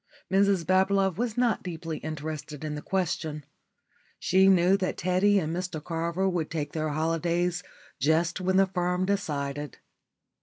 Mrs Bablove was not deeply interested in the question. She knew that Teddy and Mr Carter would take their holidays just when the firm decided.